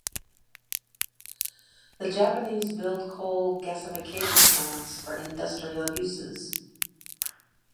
The Japanese built coal gasification plants for industrial uses.